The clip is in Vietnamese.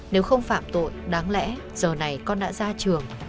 nếu không phạm tội đáng lẽ giờ này con đã ra trường